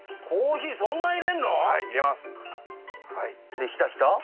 でひたひた？